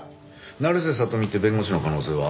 成瀬聡美って弁護士の可能性は？